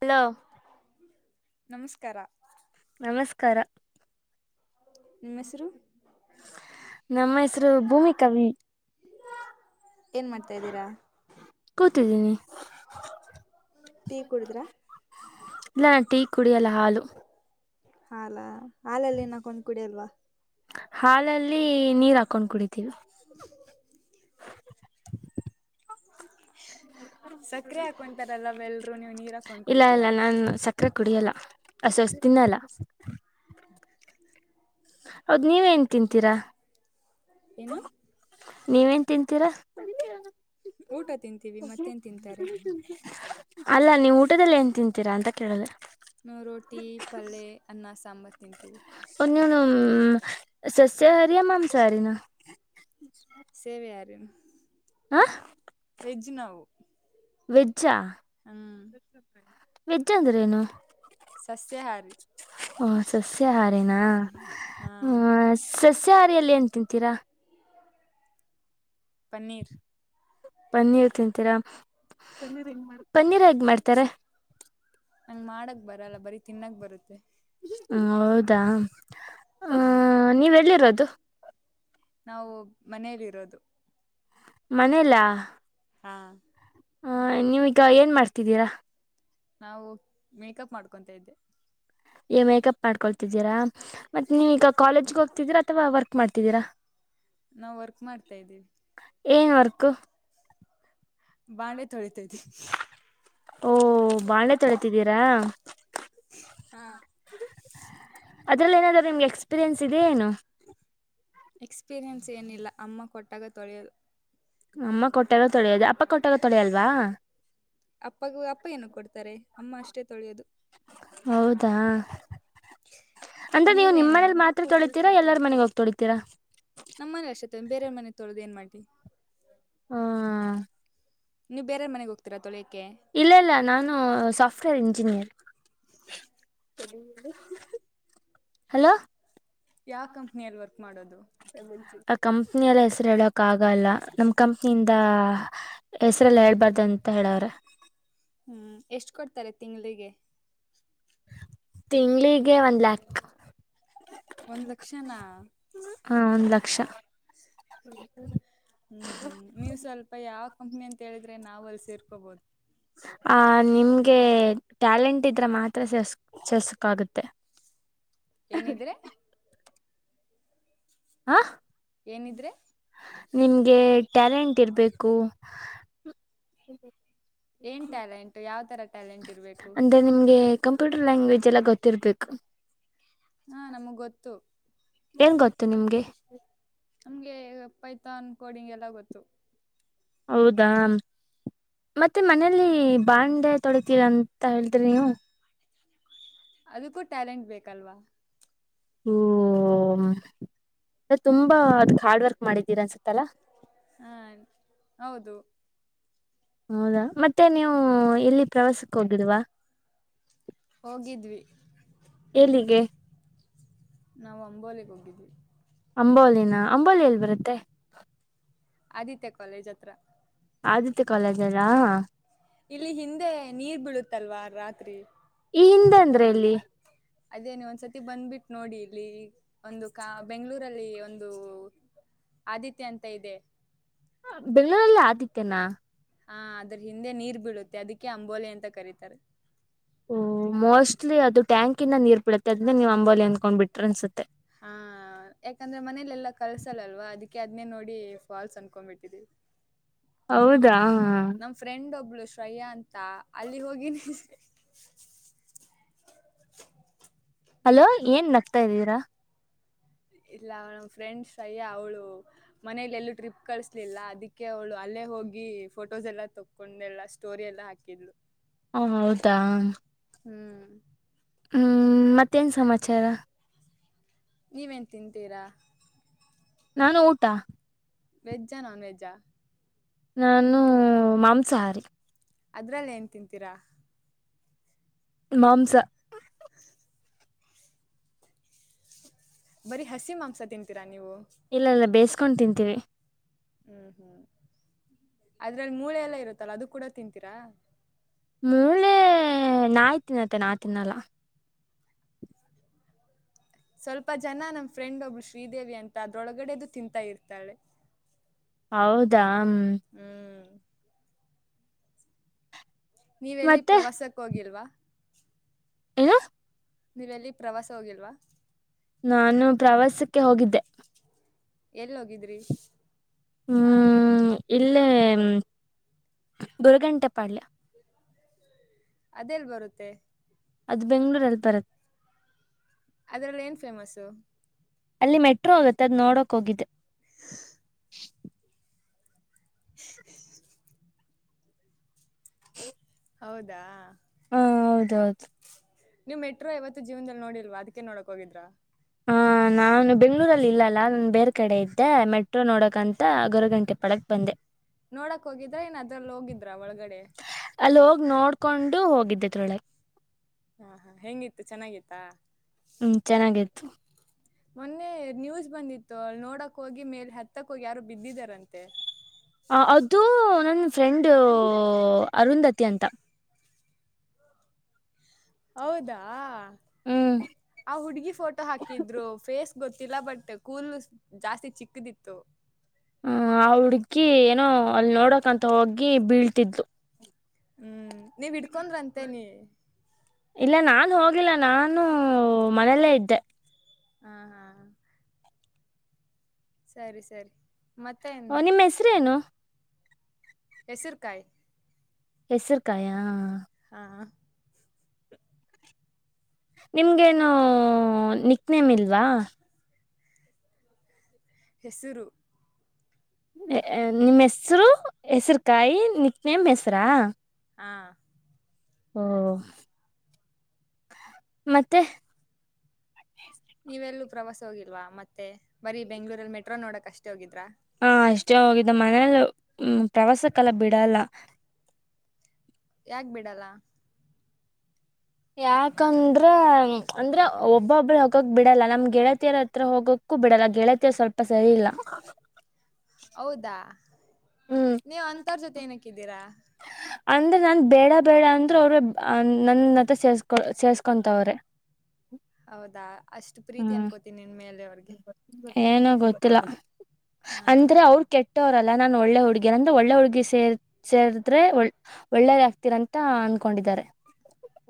Hello. ನಮಸ್ಕಾರ ನಮಸ್ಕಾರ ನಿಮ್ಮ ಹೆಸರು ನಮ್ ಹೆಸರು ಭೂಮಿ ಕವಿ ಏನ್ ಮಾಡ್ತಾ ಇದ್ದೀರಾ ಕೂತಿದ್ದೀನಿ. ಟೀ ಕುಡ್ದ್ರಾ ಇಲ್ಲ ನಾ ಟೀ ಕುಡಿಯಲ್ಲ ಹಾಲು ಹಾಲಾ ಹಾಲಲ್ ಏನ್ ಹಾಕ್ಕೊಂಡ್ ಕುಡಿಯಲ್ವ? ಹಾಲಲ್ಲಿ ನೀರ್ ಹಾಕೊಂಡ್ ಕುಡಿ ತಿವಿ. ಸಕ್ಕರೆ ಹಾಕೊಂತಾರಲ್ಲ ಎಲ್ರೂ ನೀವ್ ನೀರ್ ಹಾಕೊಂಡ್ ಕುಡಿತೀರ? ಆ ಸೊಸ್ತಿನಲ್ಲ [inaudible] ಹೌದ್ ನೀವೇನ್ ತಿಂತೀರ? ಏನು? ನೀವೇನ್ ತಿಂತೀರಾ. ಊಟ ತಿಂತೀವಿ ಮತ್ತೇನ್ ತಿಂತಾರೆ. ಅಲ್ಲಾ ನೀವ್ ಊಟದಲ್ಲಿ ಏನ್ ತಿಂತೀರಾ ಅಂತ ಕೇಳ್ದೆ. ನಾವ್ ರೋಟಿ ಪಲ್ಲೆ ಅನ್ನ ಸಾಂಬಾರ್. ತಿಂತೀವಿ ಅನ್ಯನಂ. ಹ್ಮ್ ಸಸ್ಯಹಾರಿಯ ಮಾಂಸಾಹಾರಿನ. ಸೇವೆಯಾರಿಂ. ಹಾ ವೆಜ್ ನಾವ್ ವೆಜ್ ಹ ವೆಜ್ ಅಂದ್ರೆ ಏನು ಸಸ್ಯಹಾರಿ ಹಾ ಸಸ್ಯಾಹಾರಿನ ಹಾ ಸಾಸ್ ಸಹಾರಿಯಲ್ಲಿ ಏನ್ ತಿಂತೀರಾ ಪನ್ನೀರ್ ಪನ್ನೀರ್ ತಿಂತೀರಾ ಪನ್ನೀರ್ ಹೇಗ್ ಮಾಡ್ತಾರ ನಂಗ ಮಾಡಕ್ ಬರಲ್ಲ ಬರೀ ತಿನ್ನಕ್ ಬರುತ್ತೆ ಹ ಹೌದಾ ಆ ಹಾ ನೀವೆಲ್ಲಿರೋದು? ನಾವು ಮನೇಲಿರೋದು ಮನೇಲಾ? ಹಾ ಹ ನೀವೀಗ ಏನ್ ಮಾಡ್ತಿದ್ದೀರಾ? ನಾವು ಮೇಕಪ್ ಮಾಡ್ಕೊಂತ ಇದ್ದೆ. ನೀವ್ ಮೇಕಪ್ ಮಾಡ್ಕೊಳ್ತಿದ್ದೀರಾ ಮತ್ತೆ ನೀವ ಈಗ ಕಾಲೇಜ್ಗೆ ಹೋಗ್ತಿದ್ದೀರಾ ಅಥವಾ ವರ್ಕ್ ಮಾಡ್ತಿದ್ದೀರ? ನಾವ್ ವರ್ಕ್ ಮಾಡ್ತಾ ಇದ್ದೀವಿ. ಏನ್ ವರ್ಕು? ಬಾಣೆ ತೊಳಿತದಿನ್ ಓ ಬಾಣ್ಳೆ ತೊಳಿತಿದ್ದೀರಾ? ಅದ್ರಲ್ ಏನಾದ್ರು ನಿಮ್ಗ್ ಎಕ್ಸ್ಪೀರಿಯನ್ಸ್ ಇದಿಯ ಏನು? ಎಕ್ಸ್ಪೀರಿಯನ್ಸ್ ಏನಿಲ್ಲ ಅಮ್ಮ ಕೊಟ್ಟಾಗ ತೊಳಿಯದು. ಅಮ್ಮ ಕೊಟ್ಟಾಗ ತೊಳಿಯೋದ ಅಪ್ ಅಪ್ಪಗೂ ಅಪ್ಪ ಏನ ಕೊಡ್ತಾರೆ ಅಮ್ಮ ಅಷ್ಟೆ ತೊಳಿಯೋದು ತ್ತಾ ಅಂದ ನೀವು ನೀವೇನು ನಿಮ್ಮನೇಲಿ ಮಾತ್ ತೊಳಿತೀರಾ ಎಲ್ಲರ ಮನೆಗ್ ಹೋಗ್ ತೊಳಿತೀರಾ ಬೇರೆೆಯ ಮನೆ ತೊಳ್ದ್ ಏನ್ ಮಾಡಿ ಹ ನೀವು ಬೇರೆ ಮನೆಗ್ ಹೋಗ್ ತಿರಾತೊಳಯ ಇಲ್ಲ ಇಲ್ಲ ನಾನು ಸಾ ಇಂಜಿನಿಯ ಹಲೋ ಯಾವ ಕಂಪ್ನಿಯಲ್ಲಿ ಬರ್ [inaudible] ಕಂಪ್ನಿಯಲ್ಲ ಹೆಸರು ಹೇಳಕ ಆಗಲ್ಲ ನಮ್ ಕಂಪ್ನಿಯಿಂದ ಹೆಸರೆಲ್ಲ ಹೇಳ್ಬಾರ್ದ ಅಂತ ಹೇಳವ್ರೆ ಹು ಹೂ ಎಷ್ಟು ಕೊಡ್ತಾರೆ ತಿಂಗಳಿಗೆ ತಿಂಗಳಿಗೆ ಒನ್ ಲ್ಯಾಕ್ ಒಂದು ಲಕ್ಷನಾ ಹ ಒಂದ್ ಲಕ್ಷ [inaudible] ಹ ಹ ನೀವು ಸ್ವಲ್ಪ ಯಾಕ ಹು ಅಂತ ಹೇಳಿದ್ರೆ ನಾವ್ ಅಲ್ಲಿ ಸೇರ್ಕೋಬಹದು ಆ ನಿಮ್ಗೆ ಟ್ಯಾಲೆಂಟ್ ಇದ್ರೆ ಮಾತ್ರ ಸಸ್ ಸಸ್ಕಾಗುತ್ತೆ ಏನಿದ್ರೆ ಹ್ಹ ಏನಿದ್ರೆ ನಿಂಗೆ ಟ್ಯಾಲೆಂಟ್ ಇರ್ಬೇಕು ಏನ್ ಟ್ಯಾಲೆಂಟು ಯಾವ ತರ ಅಂದ್ರೆ ನಿಮ್ಗೆ ಕಂ ಕಂಪ್ಯೂಟರ್ ಲ್ಯಾಂಗ್ವೇಜ್ ಎಲ್ಲ ಗೊತ್ತಿರ್ಬೇಕು ಹಾ ನಮಗ್ ಗೊತ್ತು ಏನ್ ಗೊತ್ತು ನಿಮ್ಗೆ ನಮ್ಗೆ ಪೈತಾನ್ ಕೋಡಿಂಗ ಎಲ್ಲಾ ಗೊತ್ತು ಹೌದಾ ಮತ್ತೆ ಮನಲಿ ಬಾಂಡೆ ತೊಳಿತೀರಾ ಅಂತ ಹೇಳಿತ್ರಿ ನೀವು ಅದಕ್ಕೂ ಟ್ಯಾಲೆಂಟ್ ಬೇಕಲ್ವಾ ಹೋ ಅ ತುಂಬಾ ಅದಕ್ ಹಾರ್ಡ್ ವರ್ಕ್ ಮಾಡಿದ್ದೀರ ಅನ್ಸತ್ತಲ್ಲಾ ಹಾ ಹೌದು ಹೌದಾ ಮತ್ತೆ ನೀವು ಎಲ್ಲಿ ಪ್ರವಾಸಕ್ಕೆ ಹೋಗಿಲ್ವಾ ಹೋಗಿದ್ವಿ ಎಲ್ಲಿಗೆ ನಾವು ಅಂಬೋಲಿಗೆ ಹೋಗಿದ್ವಿ ಅಂಬೋಲಿನ ಅಂಬೋಲಿ ಎಲ್ಲಿ ಬರುತ್ತೆ ಆದಿತ್ಯ ಕಾಲೇಜ್ ಹತ್ರ ಆದಿತ್ಯ ಕಾಲೇಜ್ ಅಲ್ಲಾ ಇಲ್ಲಿ ಹಿಂದೆ ನೀರ್ ಬೀಳುತ್ತಲ್ವಾ ರಾತ್ರಿ ಈ ಹಿಂದೆ ಅಂದ್ರೆ ಎಲ್ಲಿ ಅದೇ ನೀ ಒಂದ್ಸತಿ ಬಂದ್ಬಿಟ್ಟು ನೋಡಿ ಇಲಿ ಲ್ಲಿ ಒಂದು ಕಾ ಬೆಂಗಳೂರಲ್ಲಿ ಒಂದು ಆದಿತ್ಯ ಅಂತ ಇದೆ. ಬೆಂಗಳೂರಲ್ಲಿ ಆದಿತ್ಯನಾ ಹಾ ಅದ್ರ ಹಿಂದೆ ನೀರ್ ಬೀಳುತ್ತೆ ಅದಕ್ಕೆ ಅಂಬೋಲೆ ಅಂತ ಕರೀತಾರೆ ಆಕ್ಟುಯಲ್ಲಿ ಅದು ಟ್ಯಾಂಕಿನ ನೀರ್ ಬಿಳುತ್ತೆ ಅದೇ ನೀವು ಅಂಬೋಲಿ ಅಂದಕೊಂಡ್ ಬಿಟ್ಟ್ರ ಅನ್ಸುತ್ತೆ ಹಾ ಯಾಕಂದ್ರೆ ಮನೇಲೆೆಲ್ಲಾ ಕಲ್ಸಲ್ಲಲ್ವಾ ಅದಕ್ಕೆ ಅದ್ನೇ ನೋಡಿ ಫಾಲ್ಸ್ ಅನ್ಕೊಬಿಟ್ಟಿದೀವಿ ಹೌದಾ ಹಾ ಶ್ರಯ್ಯ ಅಂತ ಅಲ್ಲಿ ಹೋಗಿನಿ [unintelligible] ಅಲೋ ಏನ್ ನಗ್ತಾ ಇದೀರಾ ಇಲ್ಲ ಅವಳ ನಮ್ಮ್ ಫ್ರೆಂಡ್ಸ್ ಅಯ್ಯ ಅವಳು ಮನೇಲಿ ಎಲ್ಲೂ ಟ್ರಿಪ್ ಕಳಸಲಿಲ್ಲ ಅದಕ್ಕೆ ಅವಳು ಅಲ್ಲೇ ಹೋಗಿ ಫೋಟೋಸ್ ಎಲ್ಲ ತಕೊಂಡೆಲ್ಲ ಸ್ಟೋರಿ ಎಲ್ಲ ಹಾಕಿದ್ಲು ಹ ಹಾ ಹೌದಾ ಹ್ಮ್ ಹ್ಮ್ ಮತ್ತೇನ್ ಸಮಾಚಾರ ನೀವೇನು ತಿಂತೀರಾ ನಾನು ಊಟ ವೆಜ್ಜಾ ನಾನ್ವೆೆಜ್ಜಾ ನಾನು ಮಾಂಸಹಾರಿ ಅದ್ರಲ್ಲಿ ಏನ್ ತಿಂತೀರಾ ಮಾಂಸ ಬರೀ ಹಸಿ ಮಾಂಸ ತಿಂತೀರಾ ನೀವು ಇಲ್ಲ ಇಲ್ಲ ಬೇಸ ಕೊಂಡ್ ತಿಂತೀವಿ ಹ್ಮ್ ಹ್ಮ್ ಅದ್ರಲ್ಲಿ ಮೂಳೆ ಎಲ್ಲ ಇರುತ್ತಲ್ಲ ಅದು ಕೂಡ ತಿಂತೀರಾ ಮೂಳೆ ನಾಯ್ತಿನ್ತ್ತ ನಾ ತಿನ್ನಲ್ಲ ಸ್ವಲ್ಪ ಜನ ನಮ್ ಫ್ರೆಂಡ್ ಒಬ್ಳು ಶ್ರೀದೇವಿ ಅಂತ ಅದ್ರೊಳಗಡೆದು ತಿಂತಾ ಇರ್ತಾಳೆ ಹೌದಾ ಹ್ಮ ಹ್ಮ್ ನೀವೆಲ್ಲಿ ಮತ್ತೆ ಪ್ರವಾಸಕ್ಕೆ ಹೋಗಿಲ್ವಾ ಏನು ನೀವೆಲ್ಲಿ ಪ್ರವಾಸ ಹೋಗಿಲ್ವಾ ನಾನು ಪ್ರವಾಸಕ್ಕೆ ಹೋಗಿದ್ದೆ ಎಲ್ಲೋಗಿದ್ರಿ ಹ್ಮ್ ಇಲ್ಲೇ ಗೊರಗುಂಟೆಪಾಳ್ಯ ಅದೆೇಲ್ ಬರುತ್ತೆ ಅದು ಬೆಂಗಳೂರಲ್ಲಿ ಬರತ್ ಅದರಲ್ಲಿ ಏನು ಫೇಮಸ್ಸು ಅಲ್ಲಿ ಮೆಟ್ರೋ ಹೊಗತ್ತ ಅದ್ ನೋಡಕ್ ಹೋಗಿದ್ದ್ [inaudible] [inaudible] [inaudible] ಹೌದಾ ಹಾಂ ಹೌದೌದು ನೀವ್ ಮೆಟ್ರೋ ಯವತ್ತು ಜೀವನದಲ್ಲಿ ನೋಡಿಲ್ವಾ ಅದಕ್ಕೆ ನೋಡಕ್ ಹೋಗಿದ್ರಾ ಹ ನಾನು ಬೆಂಗಳೂರ ಇಲ್ಲಲ್ಲಾ ನಂದ ಬೇರೆ ಕಡೆ ಇದ್ದೆ ಮೆಟ್ರೋ ನೋಡಕ್ಂತ ಗೊರಗುಂಟೆಪಾಳ್ಯಕ್ಕ ಬಂದೆ ನೋಡಕ್ ಹೋಗಿದ್ರ ಇನ್ ಅದ್ರಲ್ಲಿ ಹೋಗಿದ್ರ ಒಳಗಡೆ ಎಷ್ಟೂ ಹೋಗಿದ್ದೆ ತರೊಳಗೆ ಹಾ ಹಾ ಹೆಂಗಿತ್ತು ಚೆನ್ನಾಗಿತ್ತಾ ಹ್ಮ್ ಚೆನ್ನಾಗಿತ್ತು ಮೊನ್ನೆ ನ್ಯೂಸ್ ಬಂದಿತ್ತು ಅ ನೋಡಕ್ ಹೋಗಿ ಮೇಲೆ ಹತ್ತಕ್ ಹೋಗಿ ಯಾರು ಬಿದ್ದಿದಾರಂತೆ ಹ ಅದು ನ ಫ್ರೆಂಡ್ ಅರುಂಧತಿ ಅಂತ ಹೌದಾ ಹ್ಞೂ ಆ ಹುಡ್ಗಿ ಫೋಟೋ ಹಾಕಿದ್ರು ಫೇಸ್ ಗೊತ್ತಿಲ್ಲ ಬಟ್ ಕೂಲ್ ಜಾಸ್ತಿ ಚಿಕ್ಕದಿತ್ತು ಹ್ಮ ಆ ಹುಡ್ಗಿ ಏನೋ ಅಲ್ಲಿ ನೋಡಕಂತ ಹೋಗಿ ಬೀಳ್ತಿದ್ಲು ಹ್ಮ್ ನೀ ಬಿಟ್ಟ ಉಕೊಂಡ್ರಂತೇನೆ ನ್ ಹೋಗಿಲ್ಲ ನಾನು ಮನೆಯಲ್ಲೇ ಇದ್ದೆ ಹಾ ಹಾ ಸರಿ ಸರಿ ಮತ್ತೇನ್ ಓ ನಿಮ್ಮ ಹೆಸ್ರೇನು ಹೆಸರಕಾಯಿ ಹೆಸರುಕಾಯಾ ಹಾ ನಿಮ್ಗೇನು ನಿಕ್ನೇಮ್ ಇಲ್ವಾ ಹೆಸರು ನಿಮ್ಮ್ ಹೆಸ್ರು ಹೆಸರು ಕಾಯಿ ನಿಕ್ನೇಮ್ ಹೆಸರಾ ಹಾಂ ಹೂ ಮತ್ತೆ ನೀವೆಲ್ಲೂ ಪ್ರವಾಸ ಹೋಗಿಲ್ವಾ ಮತ್ತೆ ಬರೀ ಬೆಂಗ್ಳೂರಲ್ಲಿ ಮೆಟ್ರೋ ನೋಡಕ್ ಅಷ್ಟೇ ಹೋಗಿದ್ರಾ ಹಾ ಅಷ್ಟೇ ಹೋಗಿದ್ದ ಮನೇಲ್ಲ್ಮ ಪ್ರವಾಸ ಕಾಲ ಬಿಡಲ್ಲ ಯಾಕ್ ಬಿಡಲ್ಲ ಯಾಕಂದ್ರ ಅಂದ್ರೆ ಒಬ್ಬೊಬ್ಬ್ರ ಹೋಗಕ್ ಬಿಡಲ್ಲ ನಮ್ ಗೆಳತಿಯರ್ ಹತ್ರ ಹೋಗಕ್ಕೂ ಬಿಡಲ್ಲ ಗೆಳತಿಯರ್ ಸ್ವಲ್ಪ ಸರಿ ಇಲ್ಲ ಹೌದಾ ಹ್ಞೂ ನೀವು ಅಂತರ ಜೊತೆ ಏನಕಿದ್ದೀರಾ ಅಂದ್ರೆ ನನ್ ಬೇಡ ಬೇಡ ಅಂದ್ರೆ ಅವ್ರ ನನ್ನತ್ರ ಸೆರ್ ಸೇರ್ಕೋತಾರೆ ಹೌದಾ ಅಷ್ಟು ಪ್ರೀತಿ ಅನ್ಕೋತೀನಿ ನಿನ್ ಮೇಲೆ ಅವ್ರಿಗೆ ಏನ ಗೊತ್ತಿಲ್ಲ ಹಾ ಅಂದ್ರೆ ಹಾ ಅವ್ರು ಕೆಟ್ಟವ್ರಲ್ಲ ಲ್ಲ ನಾನು ಒಳ್ಳೆ ಹುಡುಗಿ ಅಂದ್ರೆ ಒಳ್ಳೆ ಹುಡುಗಿ ಸೇರ್ ಸೇರದ್ರೆ ಒಳ್ಳೇದ ಆಗ್ತಿರಂತ ಅನ್ಕೊಂಡಿದ್ದಾರೆ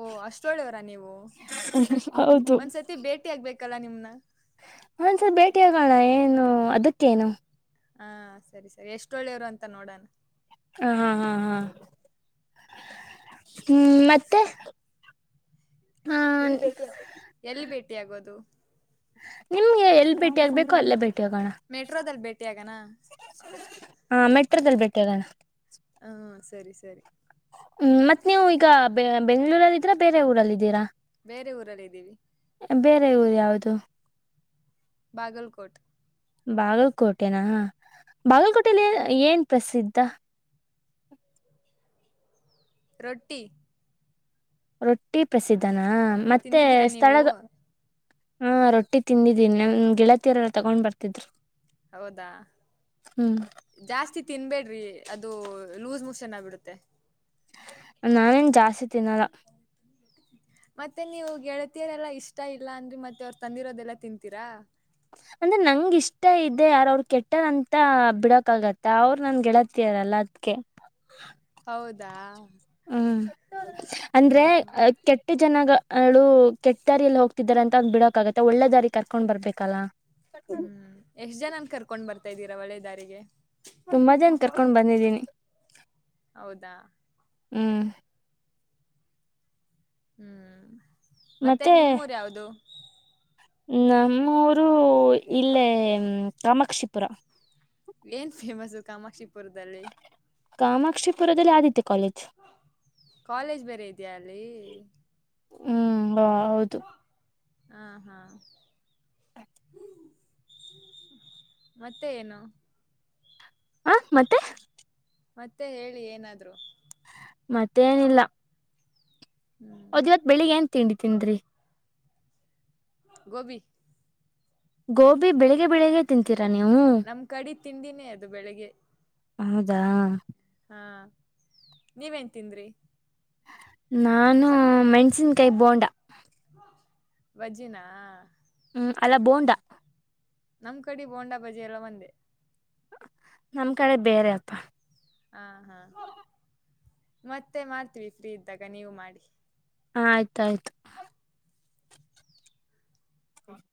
ಓ ಅಷ್ಟೊಳ್ಳೆಯವರ ನೀವು ಹೌದು ಒಂದ್ಸತಿ ಭೇಟಿ ಆಗ್ಬೇಕು ಲ್ಲ ನಿಮ್ನ ಒಂದಸಲ್ ಭೇಟಿಯಗೋಣ ಏನು ಅದಕ್ಕೇನು? ಹ ಸರಿ ಸರಿ ಎಷ್ಟ ಒಳ್ಳೆಯವ್ರು ಅಂತ ನೋಡೋಣ. ಹ ಹಾ ಹಾ ಹಾ ಹ್ಮ ಮತ್ತೆ? ಹ ಎಲ್ಲಿ ಭೇಟಿ ಆಗೋದು? ನಿಮ್ಗೆ ಎಲ್ಲಿ ಭೇಟಿ ಆಗ್ಬೇಕೋ ಅಲ್ಲೇ ಬೇ ಬೇಟಿಯಾಗಣ. ಮೆಟ್ರೋದಲ್ಲಿ ಭೇಟಿ ಆಗನಾ ಹಾ ಮೆಟ್ರೋದಲ್ಲಿ ಭೇಟಿಯಾಗಣ. ಹಾ ಸರಿ ಸರಿ. ಹ್ಮ್ ಮತ್ ನೀವು ಈಗ ಬೆ ಬೆಂಗಳೂರಿಯಲ್ಲಿ ಇದೀರಾ ಬೇರೆ ಊರಲ್ಇದಿರಾ? ಬೇರೆ ಊರಲ್ಲ ಇದ್ದೀವಿ. ಬೇರೆ ಊರು ಯಾವ್ದು? ಬಾಗಲ್ಕೋಟ್. ಬಾಗಲ್ಕೋಟೆನ, ಬಾಗಲ್ಕೋಟೆಯಲ್ಲಿ ಎ ಏನ್ ಪ್ರಸಿದ್ಧ? ರೊಟ್ಟಿ. ರೊಟ್ಟಿ ಪ್ರಸಿದ್ಧನ? ಹಾ ಮತ್ತೆ ತಿಂದಿದ್ದೀರಾ ನೀವು ಸ್ಥಳಗ ಹಾ ರೊಟ್ಟಿ ತಿಂದಿದ್ದೀನಿ ನನ್ ಗೆಳತೀಯರೆಲ್ಲ ತಗೊಂಡ್ ಬರ್ತಿದ್ರು. ಹೌದಾ, ಹ್ಮ್ ಜಾಸ್ತಿ ತಿನ್ಬೇಡ್ರಿ. ಅದು ಲೂಸ್ ಮೋಷನ್ ಆಗ್ಬಿಡುತ್ತೆ. ನಾನೇನ್ ಜಾಸ್ತಿ ತಿನ್ನಲ್ಲ. ಮತ್ತೆ ನೀವು ಗೆಳತಿಯರೆಲ್ಲಾ ಇಷ್ಟ ಇಲ್ಲ ಅಂದ್ರಿ, ಮತ್ತೆ ಅವರು ತಂದಿರೋದೆಲ್ಲಾ ತಿಂತೀರಾ? ಅಂದ್ರೆ ನಂಗ ಇಷ್ಟ ಇದೆ, ಆರ ಅವ್ರ ಕೆಟ್ಟರಂತ ಬಿಡಕಾಗತ್ತ, ಅವ್ರರು ನನ್ ಗೆಳತಿಯರಲ್ಲ ಅದ್ಕೆ. ಹೌದಾ? ಹ್ಮ. ಹ ಅಂದ್ರೆ ಕೆಟ್ಟ ಜನಗ ಅಳು ಕೆಟ್ಟ ದಾರಿಯಲ್ಲಿ ಹೋಗ್ತಿದಾರೆ ಅಂತ ಅದ್ ಬಿಡಕಾಗತ್ತ, ಒಳ್ಳೆ ದಾರಿಗ್ ಕರ್ಕೊಂಡ್ ಬರ್ಬೇಕಲ್ಲಾ. ಹ್ಮ್ ಎಷ್ಟ್ ಜನನ್ ಕರ್ಕೊಂಡ್ ಬರ್ ತಇದ್ದೀರಾ ಒಳ್ಳೆದಾರಿಗೆ ತುಂಬಾ ಜನ ಕರ್ಕೊಂಡ್ ಬಂದಿದ್ದೀನಿ. ಹೌದಾ. ಹ್ಮ್ ಹ್ಮ್ ಮತ್ತೆ ನಿಮ್ಮೂರ್ ಯಾವ್ದು? ನಮ್ಮೂರು ಇಲ್ಲೇ ಕಾಮಾಕ್ಷಿಪುರ. ಏನ್ ಫೇಮಸು ಕಾಮಾಕ್ಷಿಪುರದಲ್ಲಿ? ಕಾಮಾಕ್ಷಿಪುರದಲ್ಲಿ ಆದಿತ್ಯ ಕಾಲೇಜ್ ಕಾಲೇಜ್ ಬೇರೆ ಇದೆಯ ಅಲ್? ಪ್ಲೇ ಹ್ಮ್ ಬಾ ಹೌದು. ಹಾ ಹಾ ಮತ್ತೆ ಏನು? ಹ ಮತ್ತೆ ಮತ್ತೆ ಹೇಳಿ ಏನಾದ್ರು ಮತ್ತೇನಿಲ್ಲ ಹ್ಮ್ ಅದ್ವತ್ ಬೆಳಿಗ್ ಏನ್ ತಿಂಡಿತಿಂದ್ರಿ ಗೋಬಿ ಗೋಬಿ ಬೆಳಿಗ್ಗೆ ಬೆಳಿಗ್ಗೆ ತಿಂತೀರಾ ನೀವು ನಮ್ ಕಡಿ ತಿಂಡಿನೇ ಅದು ಬೆಳಿಗ್ಗೆ ಹೌದಾ ಹಾ ನೀವೇನ್ ತಿಂದ್ರಿ ನಾನು ಮೆಣ್ಸಿನ್ಕಾಯಿ ಬೋಂಡ ವಜಿನಾ ಹ್ಮ್ ಅಲ್ಲಾ ಬೋಂಡಾ ನಮ್ ಕಡಿ ಬೋಂಡಾ ಬಜ್ಜಿ ಎಲ್ಲ ಒಂದೇ ನಮ್ ಕಡೆ ಬೇರೆ ಅಪ್ಪಾ ಹಾ-ಹಾ ಮತ್ತೆ ಮಾಡ್ತೀವಿ ಫ್ರೀ ಇದ್ದಾಗ ನೀವು ಮಾಡಿ ಹ ಆಯ್ತ ಆಯ್ತು ವಾ